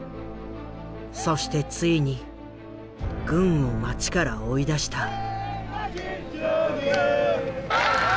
そしてついに軍を街から追い出した。